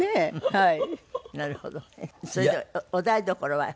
はい。